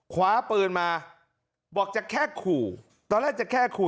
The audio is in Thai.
คว้าปืนมาบอกจะแค่ขู่ตอนแรกจะแค่ขู่